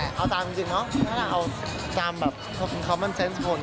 เอาตามจริงเนาะถ้าเราเอาตามแบบคอมมันเซ็นส์ชน